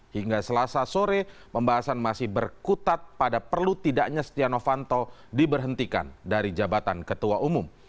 hingga selasa sore pembahasan masih berkutat pada perlu tidaknya setia novanto diberhentikan dari jabatan ketua umum